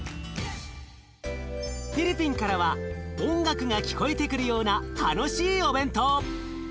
フィリピンからは音楽が聞こえてくるような楽しいお弁当。